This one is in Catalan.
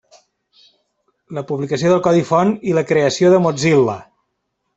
La publicació del codi font i la creació de Mozilla.